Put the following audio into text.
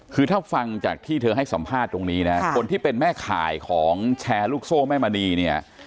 คือถ้าฟังจากที่เธอให้สัมภาษณ์ตรงนี้นะคนที่เป็นแม่ข่ายของแชร์ลูกโซ่แม่มณีเนี่ย